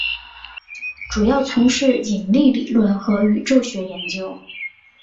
主要从事引力理论和宇宙学研究。